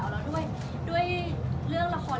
แล้วด้วยเรื่องละคร